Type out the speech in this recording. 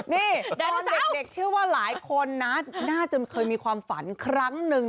นี่ตอนเด็กเชื่อว่าหลายคนนะน่าจะเคยมีความฝันครั้งหนึ่ง